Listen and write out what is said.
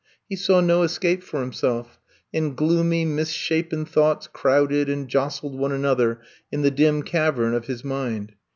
He saw no escape for himself, and gloomy, mis shapen thoughts crowded and jostled one another in the dim cavern of his mind.